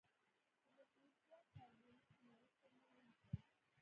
د مګنیزیم کاربونیټ کیمیاوي فورمول ولیکئ.